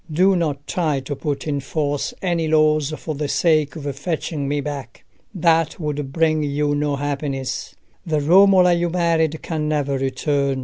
Do not try to put in force any laws for the sake of fetching me back: that would bring you no happiness. The Romola you married can never return.